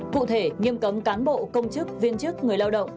cụ thể nghiêm cấm cán bộ công chức viên chức người lao động